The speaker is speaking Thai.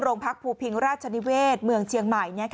พักภูพิงราชนิเวศเมืองเชียงใหม่